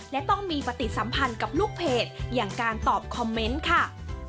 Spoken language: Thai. และต้องมีปฏิสัมพันธ์กับลูกเพจอย่างการตอบคอมเมนต์ค่ะ